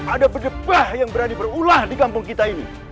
ada pedebah yang berani berulah di kampung kita ini